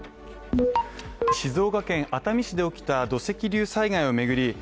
静岡県熱海市で起きた土石流災害を巡り